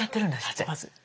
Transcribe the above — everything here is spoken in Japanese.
じゃあまずい。